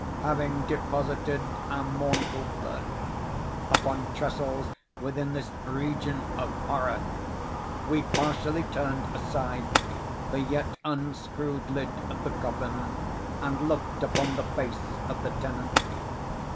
Having deposited our mournful burden upon tressels within this region of horror, we partially turned aside the yet unscrewed lid of the coffin, and looked upon the face of the tenant.